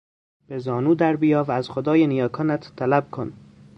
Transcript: به زانو در بیا و از خدای نیاکانت طلب کن.